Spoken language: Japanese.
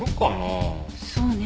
そうね。